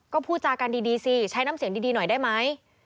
ก็พูดจากันดีสิใช้น้ำเสียงดีหน่อยได้ไหม